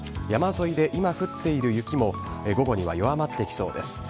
山沿いで今降っている雪も、午後には弱まってきそうです。